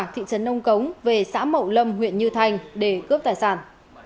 thị trấn nông cống về xã mậu lâm huyện như thành để cướp tài sản